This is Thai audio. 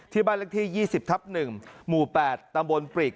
ที่บ้านลักษณ์ที่๒๐ทัพ๑หมู่๘ตำบลปริก